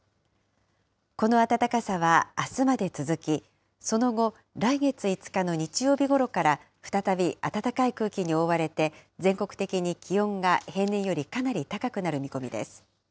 この暖かさはあすまで続き、その後、来月５日の日曜日ごろから再び暖かい空気に覆われて、全国的に気温が平年よりかなり高くなる見込みです。